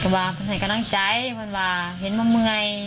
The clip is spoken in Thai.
มันก็องค์ผ่านใส่กำลังใจมาว่าเห็นจากเคยมามีที